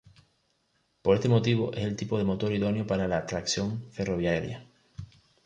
Por este motivo es el tipo de motor idóneo para tracción ferroviaria.